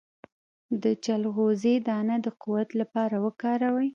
د چلغوزي دانه د قوت لپاره وکاروئ